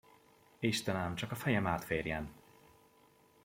Istenem, csak a fejem átférjen!